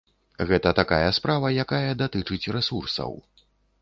Гэта такая справа, якая датычыць рэсурсаў.